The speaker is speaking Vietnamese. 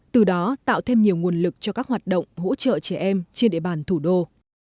từ đó tạo thêm nhiều nguồn lực cho các hoạt động hỗ trợ trẻ em trên địa bàn thủ đô